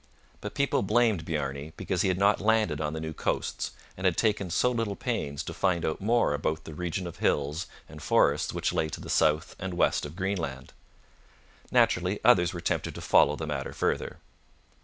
But people blamed Bjarne because he had not landed on the new coasts, and had taken so little pains to find out more about the region of hills and forests which lay to the south and west of Greenland. Naturally others were tempted to follow the matter further.